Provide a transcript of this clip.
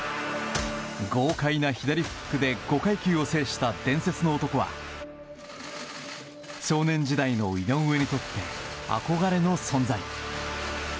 豪快な左フックで５階級を制した伝説の男は少年時代の井上にとって憧れの存在。